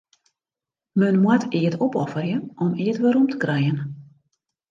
Men moat eat opofferje om eat werom te krijen.